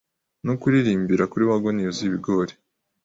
no kuririmbira kuri waggon yuzuye ibigori